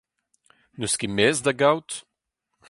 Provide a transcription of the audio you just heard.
N'eus ket mezh da gaout.